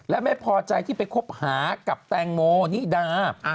และไม่พอใจที่ไปคบหากับแตงโมนิดา